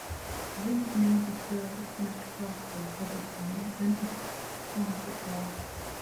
This made the service much faster, at the time, than its counterparts.